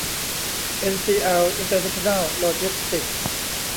เอ็นซีแอล อินเตอร์เนชั่นแนล โลจิสติกส์